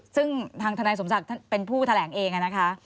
ซึ่งทางทนายสมศักดิ์เป็นผู้แถลงเองนะคะ